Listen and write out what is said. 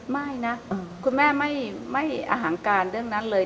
ไม่นะคุณแม่ไม่อหังการเรื่องนั้นเลย